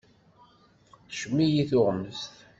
Tqeccem-iyi tuɣmest.